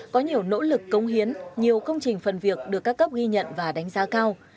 có nhiều nỗ lực công hiến nhiều công trình phần việc được các cấp ghi nhận và đánh giá cao